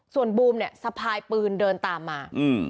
ส่วนบูมเนี่ยสะพายปืนเดินตามมา